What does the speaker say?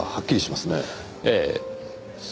ええ。